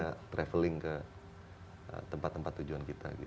kita traveling ke tempat tempat tujuan kita